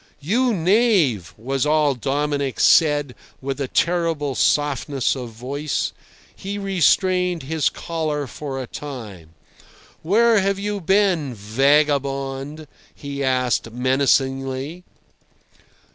"You knave!" was all Dominic said, with a terrible softness of voice. He restrained his choler for a time. "Where have you been, vagabond?" he asked menacingly.